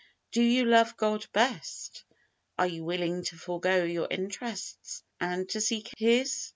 Do you love God best? Are you willing to forego your interests, and to seek His?